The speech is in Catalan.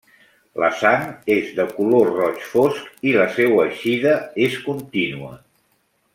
La sang és de color roig fosc i la seua eixida és contínua.